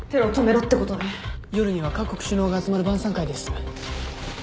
夜には各国首脳が集まる晩餐会です。